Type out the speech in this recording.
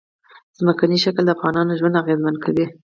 ځمکنی شکل د افغانانو ژوند اغېزمن کوي.